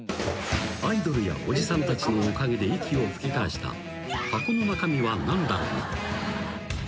［アイドルやおじさんたちのおかげで息を吹き返した「箱の中身はなんだろな？」］